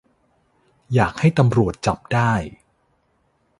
อยากให้ตำรวจจับได้